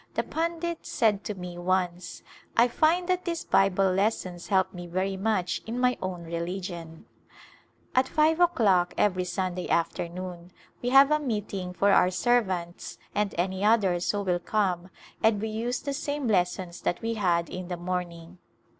The pundit said to me once, " I find that these Bible lessons help me very much in my own religion !" At five o'clock every Sunday afternoon we have a meeting for our servants and any others who will come and we use the same lessons that we had in the morn ing.